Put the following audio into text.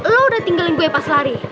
lo udah tinggalin kue pas lari